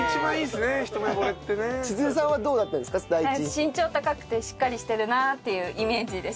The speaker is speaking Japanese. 身長高くてしっかりしてるなっていうイメージでした。